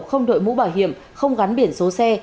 không đội mũ bảo hiểm không gắn biển số xe